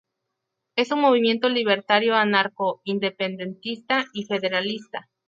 Es un movimiento libertario anarco-independentista y federalista.